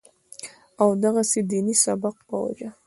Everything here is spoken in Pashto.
او دغسې د ديني سبق پۀ وجه